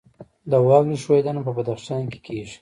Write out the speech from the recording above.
د واورې ښویدنه په بدخشان کې کیږي